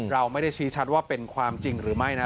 เราไม่ได้ชี้ชัดว่าเป็นความจริงหรือไม่นะ